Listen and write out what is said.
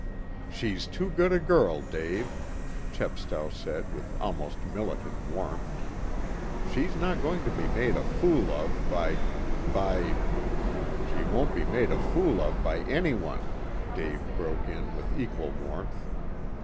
"She's too good a girl, Dave," Chepstow said with almost militant warmth. "She's not going to be made a fool of by by " "She won't be made a fool of by any one," Dave broke in with equal warmth.